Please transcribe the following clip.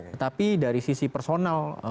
tetapi dari sisi personal